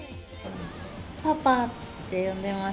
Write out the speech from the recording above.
パパって呼んでます。